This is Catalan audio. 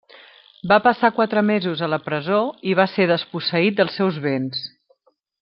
Va passar quatre mesos a la presó i va ser desposseït dels seus béns.